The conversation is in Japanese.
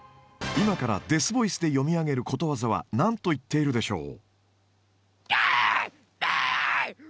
今からデスボイスで読み上げることわざは何と言っているでしょう？